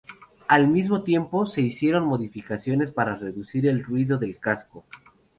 Al mismo tiempo, se hicieron modificaciones para reducir el ruido del casco.